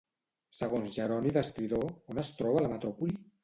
Segons Jeroni d'Estridó, on es troba la metròpoli?